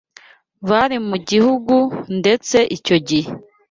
bari mu gihugu ndetse icyo gihe